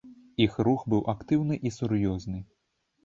Іх рух быў актыўны і сур'ёзны.